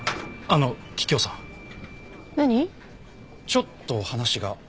ちょっと話が。